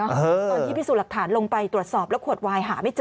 ตอนที่พิสูจน์หลักฐานลงไปตรวจสอบแล้วขวดวายหาไม่เจอ